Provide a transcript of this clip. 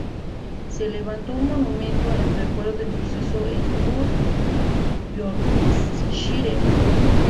Se levantó un monumento en recuerdo del suceso en Hull, Yorkshire.